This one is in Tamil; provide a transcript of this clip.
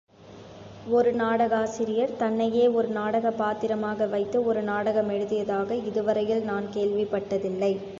ஒரு நாடகாசிரியர் தன்னையே ஒரு நாடகப் பாத்திரமாக வைத்து ஒரு நாடகமெழுதியதாக இதுவரையில் நான் கேள்விப்பட்டதில்லை.